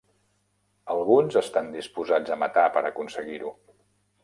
Alguns estan disposats a matar per aconseguir-ho.